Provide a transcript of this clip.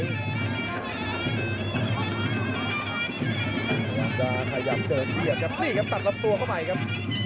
พยายามจะพยายามเจอเทียบครับนี่ครับตัดลับตัวเข้าใหม่ครับ